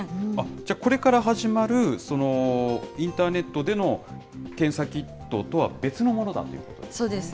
じゃあ、これから始まるインターネットでの検査キットとは別のものだといそうです。